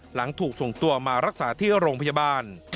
หลังถูกส่งตัวมารักษาที่โรงพยาบาล